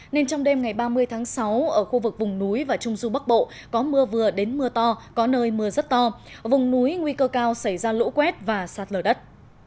nên trong đêm ngày ba mươi tháng sáu ở khu vực vùng núi và trung du bắc bộ có mưa vừa đến mưa to có nơi mưa rất to vùng núi nguy cơ cao xảy ra lũ quét và sạt lở đất